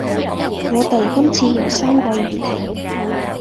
我哋今次有三個議題